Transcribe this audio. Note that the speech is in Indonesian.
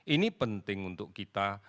ini penting untuk kita